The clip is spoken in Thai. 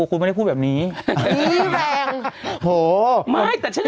คุณก็ไม่ได้พูดแบบนี้พี่แรง